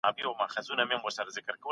شراب پلورونکی تل په کار بوخت وي.